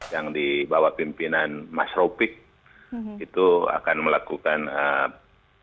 yang dibawa pimpinan mas ropik itu akan melakukan